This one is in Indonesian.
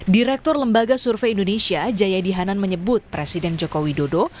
direktur lembaga survei indonesia jayadi hanan menyebut presiden joko widodo